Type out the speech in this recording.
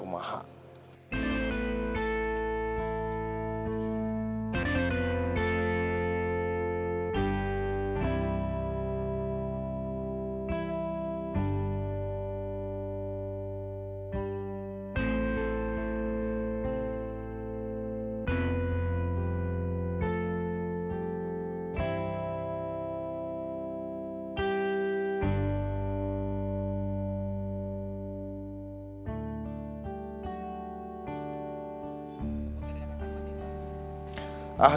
sebenarnya itu kemahak